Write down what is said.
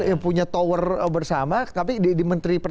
yang punya tower bersama tapi